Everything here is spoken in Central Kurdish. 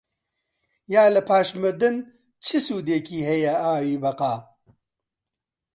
یا لە پاش مردن چ سوودێکی هەیە ئاوی بەقا؟